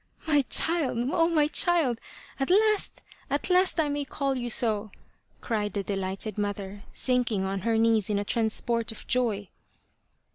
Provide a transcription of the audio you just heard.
" My child ! Oh, my child ! At last, at last I may call you so !" cried the delighted mother sinking on her knees in a transport of joy.